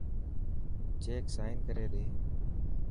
چيڪ سائن ڪري ڏي.